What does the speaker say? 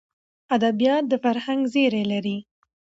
ادبیات د فرهنګ زېری لري.